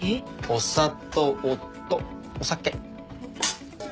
お砂糖とお酒。